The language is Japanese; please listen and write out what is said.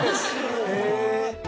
へえ。